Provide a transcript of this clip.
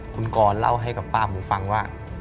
คุณกรเล่าให้กับป้าหมูฟังว่า